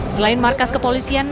selain markas kepolisian